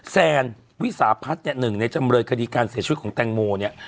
แซนวิสาพัฒน์เนี่ยหนึ่งในจำเลยคดีการเสียชีวิตของแตงโมเนี่ย